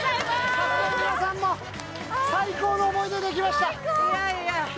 パークの皆さんも最高の思い出、できました。